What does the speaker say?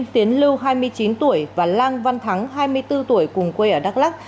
tiến lưu hai mươi chín tuổi và lan văn thắng hai mươi bốn tuổi cùng quê ở đắk lắc